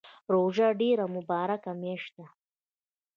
روژه ډیره مبارکه میاشت ده